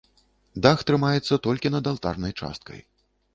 Дах трымаецца толькі над алтарнай часткай.